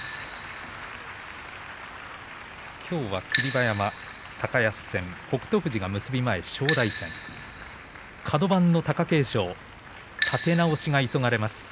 きょうは霧馬山は高安戦北勝富士が結び前正代戦カド番の貴景勝立て直しが急がれます。